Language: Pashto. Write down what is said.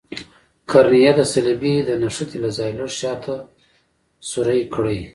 قرنیه د صلبیې د نښتې له ځای لږ شاته سورۍ کړئ.